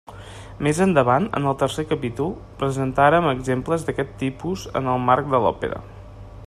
Més endavant, en el tercer capítol, presentarem exemples d'aquest tipus en el marc de l'òpera.